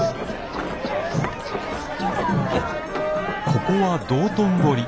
ここは道頓堀。